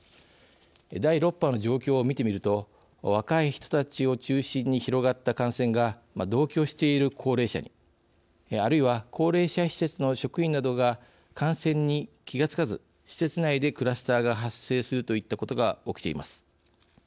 第６波の状況を見てみると若い人たちを中心に広がった感染が同居している高齢者にあるいは高齢者施設の職員などが感染に気がつかず施設内でクラスターが発生するといったことが起きています。